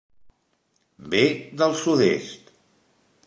Ve del sud-est.